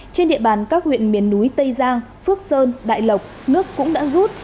trên địa bàn các huyện miền núi tây giang phước sơn đại lộc nước cũng đã rút